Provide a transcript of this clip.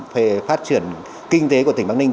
về phát triển kinh tế của tỉnh bắc ninh